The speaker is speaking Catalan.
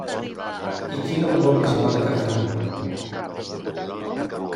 I quina olor més bona que fan!